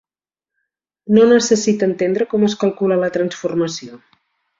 No necessita entendre com es calcula la transformació.